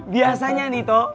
biasanya nih toh